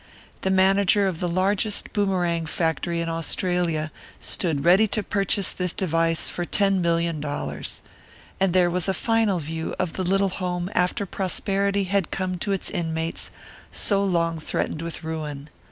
The manager of the largest boomerang factory in Australia stood ready to purchase this device for ten million dollars. And there was a final view of the little home after prosperity had come to its inmates so long threatened with ruin.